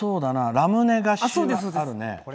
ラムネ菓子があるね。